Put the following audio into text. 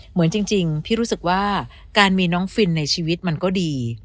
เหมือนจริงพี่รู้สึกว่าการมีน้องฟินในชีวิตมันก็ดี